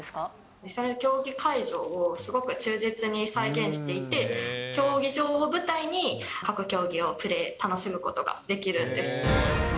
実際の競技会場をすごく忠実に再現していて、競技場を舞台に各競技をプレー、楽しむことができるんです。